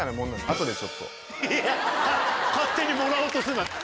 いや勝手にもらおうとするな。